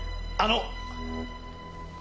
あの！